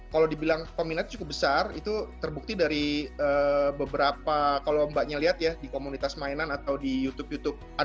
kalau dibilang peminatnya cukup besar itu terbukti dari beberapa kalau mbaknya lihat ya di komunitas mainan atau di youtube youtube